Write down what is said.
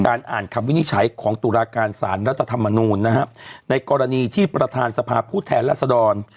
อ่านคำวินิจฉัยของตุลาการสารรัฐธรรมนูลนะฮะในกรณีที่ประธานสภาพผู้แทนรัศดร